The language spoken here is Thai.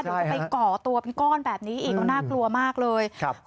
เดี๋ยวจะไปก่อตัวเป็นก้อนแบบนี้อีกก็น่ากลัวมากเลย